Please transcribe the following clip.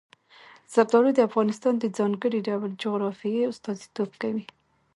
زردالو د افغانستان د ځانګړي ډول جغرافیې استازیتوب کوي.